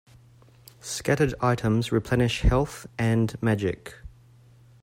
Scattered items replenish health and magic.